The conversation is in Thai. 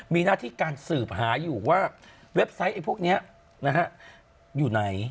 มีหน้าที่การสืบหาอยู่ว่าเว็บไซต์ไอ้พวกนี้อยู่ไหน